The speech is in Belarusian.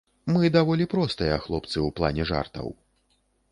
Мы даволі простыя хлопцы ў плане жартаў.